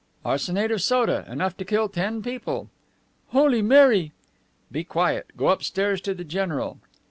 "Arsenate of soda, enough to kill ten people." "Holy Mary!" "Be quiet. Go upstairs to the general."